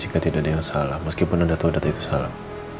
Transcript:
semua data jessica tidak ada yang salah meskipun anda tahu data itu salah